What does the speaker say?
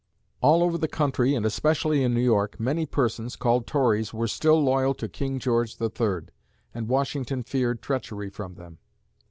All over the country and especially in New York, many persons, called Tories, were still loyal to King George III, and Washington feared treachery from them.